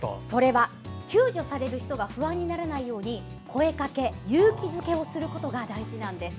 救助される人が不安にならないように声かけ、勇気づけすることが大事なんです。